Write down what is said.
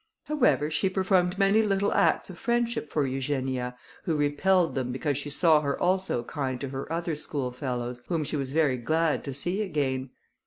However, she performed many little acts of friendship for Eugenia, who repelled them because she saw her also kind to her other schoolfellows, whom she was very glad to see again.